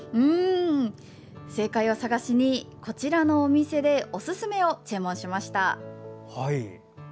正解を探しにこちらのお店でおすすめを注文しました。